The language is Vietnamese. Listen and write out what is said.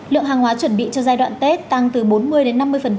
lượng hàng hóa chuẩn bị cho giai đoạn tết tăng từ bốn mươi đến năm mươi